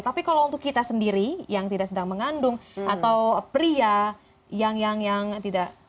tapi kalau untuk kita sendiri yang tidak sedang mengandung atau pria yang tidak